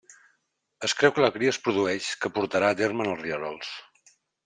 Es creu que la cria es produeix que portarà a terme en els rierols.